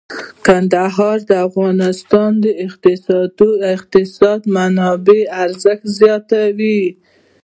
کندهار د افغانستان د اقتصادي منابعو ارزښت زیاتوي.